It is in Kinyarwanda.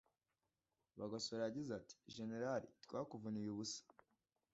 Bagosora ngo yagize ati “Generali twakuvuniye ubusa